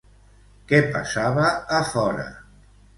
Què passava a fora?